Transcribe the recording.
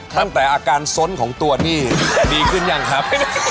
ตั้งแต่อาการส้นของตัวนี่ดีขึ้นยังครับ